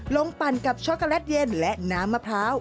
ปั่นกับช็อกโกแลตเย็นและน้ำมะพร้าว